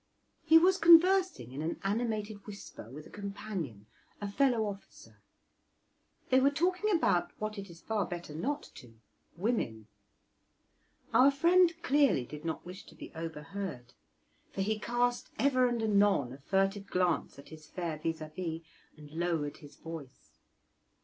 He was conversing in an animated whisper with a companion, a fellow officer; they were talking about what it is far better not to women. Our friend clearly did not wish to be overheard; for he cast ever and anon a furtive glance at his fair vis a vis and lowered his voice.